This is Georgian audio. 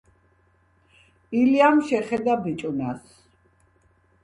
ილიამ შეხედა ბიჭუნას,